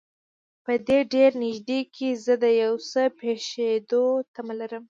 په دې ډېر نږدې کې زه د یو څه پېښېدو تمه لرم.